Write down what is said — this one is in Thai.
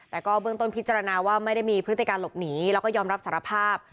แต่ก็เบื้องต้นพิจารณาว่าไม่ได้มีพฤติการหลบหนีแล้วก็ยอมรับสารภาพ